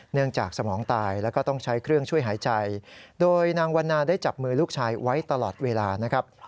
จากสมองตายแล้วก็ต้องใช้เครื่องช่วยหายใจโดยนางวันนาได้จับมือลูกชายไว้ตลอดเวลานะครับ